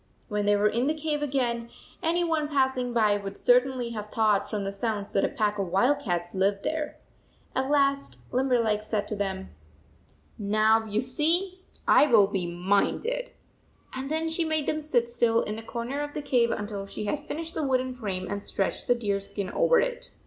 When they were in the cave again, any one passing by would certainly have thought from the sounds that a pack of wildcats lived there. At last Limberleg said to them, * Now, you see, I will be minded," and then she made them sit still, in the corner of the cave until she had finished the wooden frame and stretched the deer skin over it.